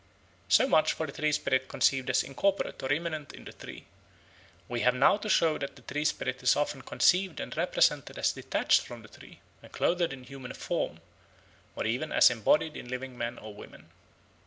So much for the tree spirit conceived as incorporate or immanent in the tree. We have now to show that the tree spirit is often conceived and represented as detached from the tree and clothed in human form, and even as embodied in living men or women.